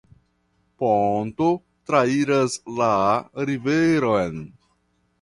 Ponto trairas la riveron.